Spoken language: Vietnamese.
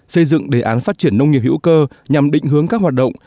xây dựng đề án phát triển nông nghiệp hữu cơ nhằm định hướng các hoạt động